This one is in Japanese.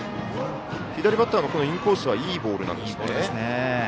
左バッターのインコースはいいボールなんですね。